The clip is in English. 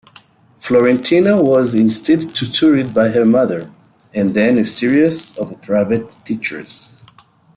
Florentino was instead tutored by her mother, and then a series of private teachers.